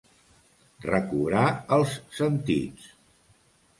Recobrar els sentits.